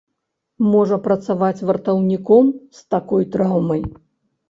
Можа працаваць вартаўніком з такой траўмай.